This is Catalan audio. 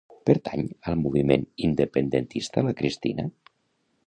Pertany al moviment independentista la Cristina?